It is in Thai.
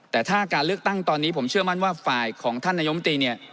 แต่ถ้าการเลือกตั้งตอนนี้ผมเชื่อมั่นว่าฝ่ายของท่านนายมตรีเนี่ย